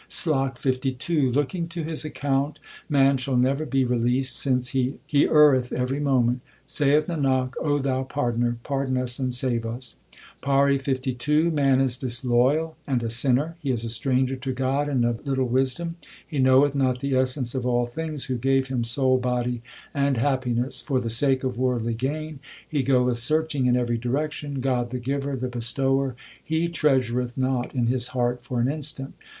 SLOK LII Looking to his account man shall never be released 2 since he erreth every moment. Saith Nanak, O Thou Pardoner, pardon us and save us. PAURI LII Man is disloyal and a sinner ; he is a stranger to God and of little wisdom ; He knoweth not the Essence of all things, who gave him soul, body, and happiness. For the sake of worldly gain he goeth searching in every direction ; God, the Giver, the Bestower, he treasureth not in his heart for an instant.